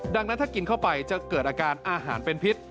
ดังนั้นถ้ากินเข้าไปจะเกิดอาการอาหารเป็นพิษ